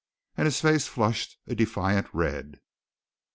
And his face flushed a defiant red.